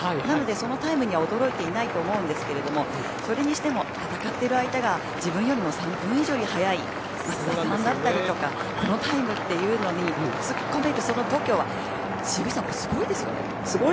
なのでそのタイムには驚いていないと思うんですけれどもそれにしても戦っている相手が自分よりも３分以上速い松田さんだったりとかこのタイムというのに突っ込めるその度胸渋井さん、すごいですね。